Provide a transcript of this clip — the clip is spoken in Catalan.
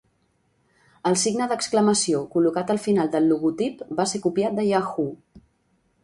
El signe d'exclamació col·locat al final del logotip va ser copiat de Yahoo!